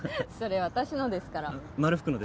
いや私のですから。